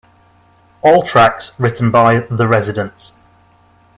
All tracks written by The Residents.